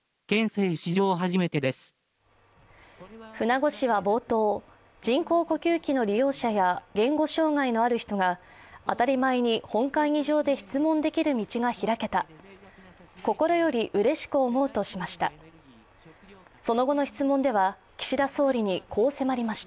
舩後氏は冒頭、人工呼吸器の利用者や言語障害のある人が当たり前に本会議場で質問できる道が開けた、心よりうれしく思うとしました。